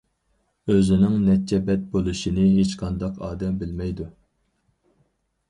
ئۆزىنىڭ نەچچە بەت بولۇشىنى ھېچقانداق ئادەم بىلمەيدۇ.